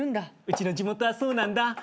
うちの地元はそうなんだ。